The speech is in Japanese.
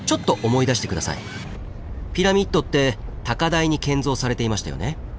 ピラミッドって高台に建造されていましたよね。